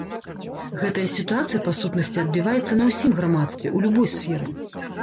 Гэтая сітуацыя па сутнасці адбіваецца на ўсім грамадстве, у любой сферы.